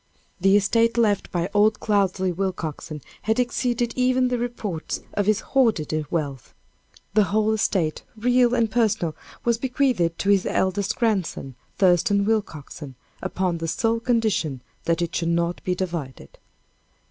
The estate left by old Cloudesley Willcoxen had exceeded even the reports of his hoarded wealth. The whole estate, real and personal, was bequeathed to his eldest grandson, Thurston Willcoxen, upon the sole condition that it should not be divided.